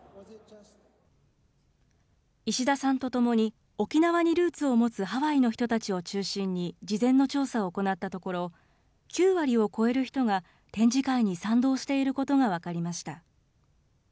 石田さんとともに沖縄にルーツを持つハワイの人たちを中心に事前の調査を行ったところ、９割を超える人が展示会に賛同していることが分かりました。